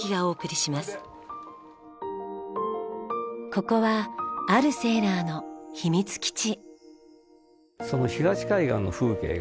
ここはあるセーラーの秘密基地。